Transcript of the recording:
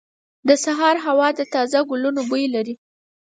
• د سهار هوا د تازه ګلونو بوی لري.